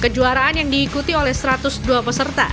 dari satu ratus dua peserta